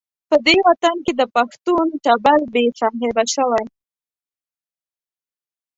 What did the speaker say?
په دې وطن کې د پښتون ټبر بې صاحبه شوی.